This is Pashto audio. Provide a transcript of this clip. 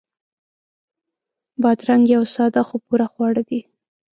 بادرنګ یو ساده خو پوره خواړه دي.